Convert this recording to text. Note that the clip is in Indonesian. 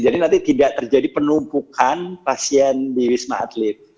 jadi nanti tidak terjadi penumpukan pasien di wisma atlet